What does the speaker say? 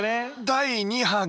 第２波が。